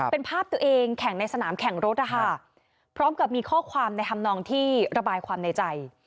เป็นภาพตัวเองแข่งในสนามแข่งรถนะคะพร้อมกับมีข้อความในธรรมนองที่ระบายความในใจ